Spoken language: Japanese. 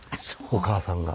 お母さんが。